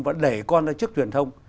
và đẩy con ra trước truyền thông